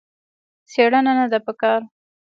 څېړنه نه ده په کار.